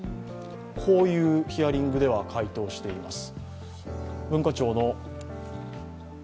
こういうヒアリングでは回答をしています。